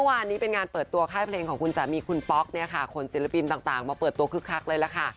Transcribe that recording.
เมื่อวานนี้เป็นงานเปิดตัวค่ายเพลงของคุณสามีคุณป๊อกเนี่ยค่ะขนศิลปินต่างมาเปิดตัวคึกคักเลยล่ะค่ะ